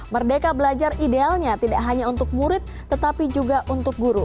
merdeka belajar idealnya tidak hanya untuk murid tetapi juga untuk guru